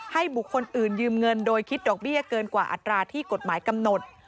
ให้บุคคลอื่นยืมเงินโดยคิดดอกเบี้ยเกินกว่าอัตราที่กฎหมายกำหนด